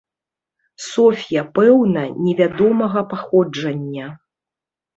Соф'я, пэўна не вядомага паходжання.